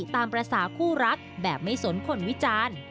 ตามภาษาคู่รักแบบไม่สนคนวิจารณ์